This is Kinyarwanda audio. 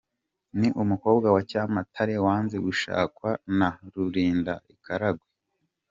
Ni umukobwa wa Cyamatare wanze gushakwa na Rulinda i Karagwe.